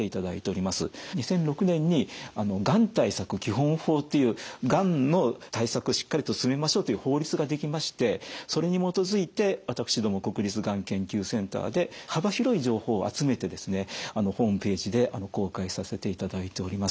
２００６年にがん対策基本法っていうがんの対策をしっかりと進めましょうという法律が出来ましてそれに基づいて私ども国立がん研究センターで幅広い情報を集めてですねホームページで公開させていただいております。